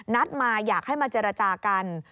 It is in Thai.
นัดมาอยากให้มาเจรจากัน